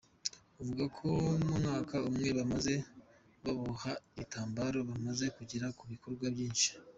Avuga ko mu mwaka umwe bamaze baboha ibitamabaro, bamaze kugera ku bikorwa byinshi.